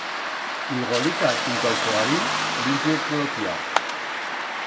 Y golica, chunto a'l fogaril, limpio clotiar.